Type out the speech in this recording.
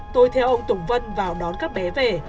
tôi theo ông tùng vân vào đón các bé về